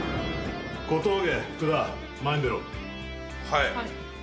はい。